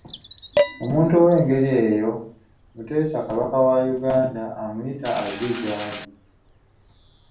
Omuntu ow'engeri eyo, Mutesa Kabaka wa Uganda amuyita ajje gy'ali.